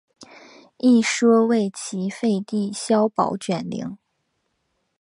一说为齐废帝萧宝卷陵。